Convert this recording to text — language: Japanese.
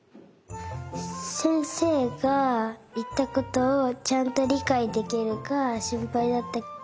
せんせいがいったことをちゃんとりかいできるかしんぱいだった。